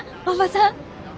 おばさん！